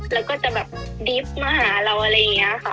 แล้วก็จะแบบดิฟต์มาหาเราอะไรอย่างนี้ค่ะ